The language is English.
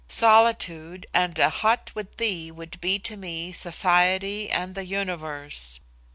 Solitude and a hut with thee would be to me society and the universe.